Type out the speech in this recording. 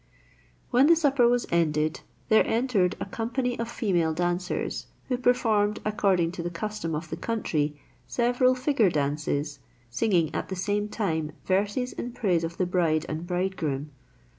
When the supper was ended, there entered a company of female dancers, who performed, according to the custom of the country, several figure dances, singing at the same time verses in praise of the bride and bridegroom.